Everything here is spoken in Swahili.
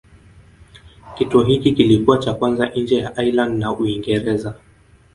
Kituo hiki kilikuwa cha kwanza nje ya Ireland na Uingereza.